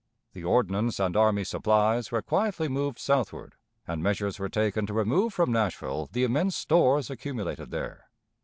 The ordnance and army supplies were quietly moved southward, and measures were taken to remove from Nashville the immense stores accumulated there.